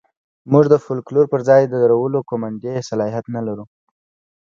موږ د فوکلور پر ځای درولو قوماندې صلاحیت نه لرو.